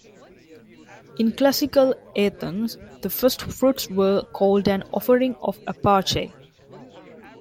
In Classical Athens the First Fruits were called an offering of "aparche".